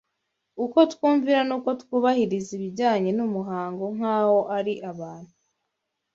uko twumvira n’uko twubahiriza ibijyanye n’umuhango nk’aho ari abantu!